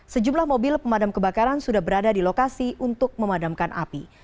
sejumlah mobil pemadam kebakaran sudah berada di lokasi untuk memadamkan api